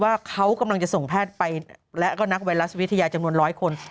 ว่าเขากำลังจะส่งแพทย์ไปและก็นักไวรัสวิทยาจำนวนร้อยคน